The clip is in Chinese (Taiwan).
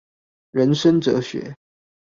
人生哲學